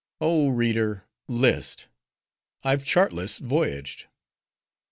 Oh, reader, list! I've chartless voyaged.